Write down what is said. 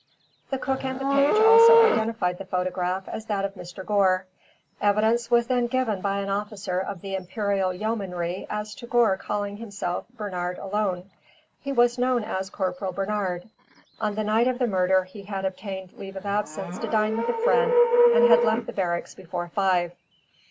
The cook and the page also identified the photograph as that of Mr. Gore. Evidence was then given by an officer of the Imperial Yeomanry as to Gore calling himself Bernard alone. He was known as Corporal Bernard. On the night of the murder he had obtained leave of absence to dine with a friend and had left the barracks before five.